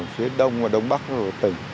phía đông và đông bắc của tỉnh